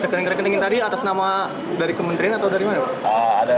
cekering keringin tadi atas nama dari kementerian atau dari mana pak